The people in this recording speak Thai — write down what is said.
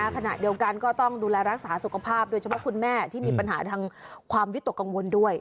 ขณะเดียวกันก็ต้องดูแลรักษาสุขภาพโดยเฉพาะคุณแม่ที่มีปัญหาทางความวิตกกังวลด้วย